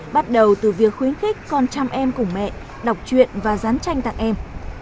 bắt đầu từ việc khuyến khích con chăm em cùng mẹ đọc truyện và dán tranh tặng em